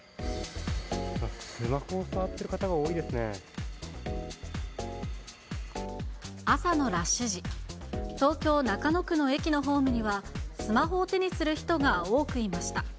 スマホを触っている方が多い朝のラッシュ時、東京・中野区の駅のホームには、スマホを手にする人が多くいました。